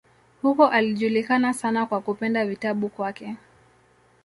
Huko alijulikana sana kwa kupenda vitabu kwake.